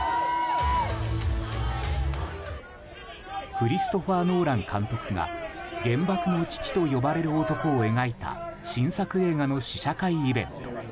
クリストファー・ノーラン監督が原爆の父と呼ばれる男を描いた新作映画の試写会イベント。